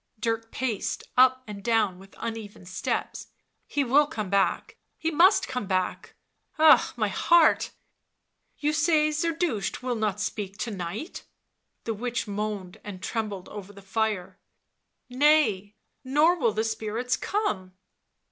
Dirk paced up and down with uneven steps. 11 He will come back, he must come back ! Ah, my heart 1 You say Zerdusht will not speak to night?" The witch moaned and trembled over the fire. " Nay, nor will the spirits come."